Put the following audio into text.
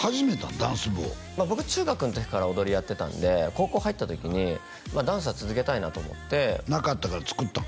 ダンス部を僕中学ん時から踊りやってたんで高校入った時にダンスは続けたいなと思ってなかったからつくったん？